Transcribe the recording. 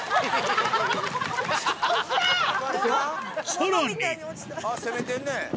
さらに攻めてるね！